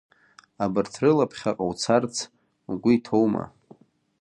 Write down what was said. Абарҭ рыла ԥхьаҟа уцарц угәы иҭоума?